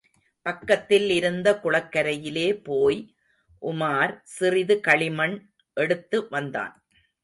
பக்கத்தில் இருந்த குளக்கரையிலே போய் உமார் சிறிது களிமண் எடுத்து வந்தான்.